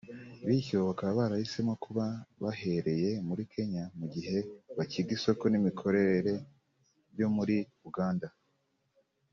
bityo bakaba barahisemo kuba bahereye muri Kenya mu gihe bacyiga isoko n’imikorere byo muri Uganda